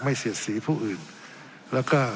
ทั้งสองกรณีผลเอกประยุทธ์